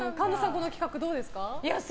この企画どうですか？